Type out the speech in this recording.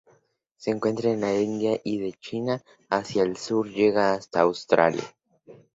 Se encuentra en la India y de China, hacia el sur llega hasta Australia.